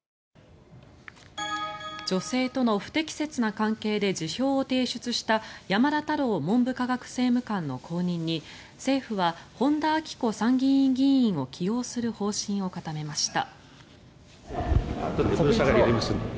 女性との不適切な関係で辞表を提出した山田太郎文部科学政務官の後任に政府は本田顕子参議院議員を起用する方針を固めました。